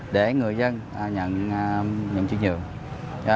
để người dân nhận chuyển nhượng